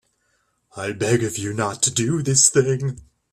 I beg of you not to do this thing.